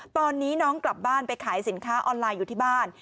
ตอนนี้น้องกลับบ้านไปขายสินค้าออนไลน์อยู่ที่บ้าน